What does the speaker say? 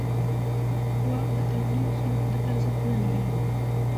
واک د قانوني اصولو پرته ارزښت نه لري.